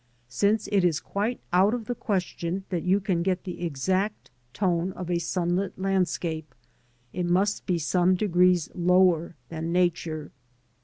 Since it is quite out of the question that you can get the exact tone of a sunlit landscape, it must be some degrees lower than Nature.